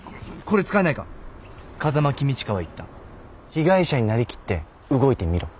「被害者になりきって動いてみろ」